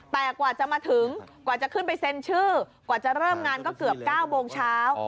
แต่กว่าจะมาถึงกว่าจะขึ้นไปเซ็นชื่อกว่าจะเริ่มงานก็เกือบ๙โมงเช้า